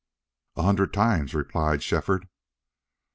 "A hundred times!" replied Shefford.